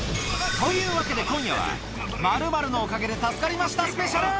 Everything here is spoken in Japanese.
というわけで今夜は、○○のおかげで助かりましたスペシャル。